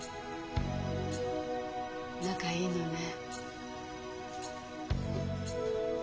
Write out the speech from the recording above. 仲いいのね。